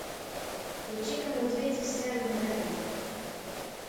Те чекам од двете страни на реката.